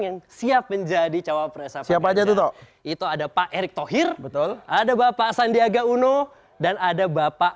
yang siap menjadi cawapres itu ada pak erick thohir betul ada bapak sandiaga uno dan ada bapak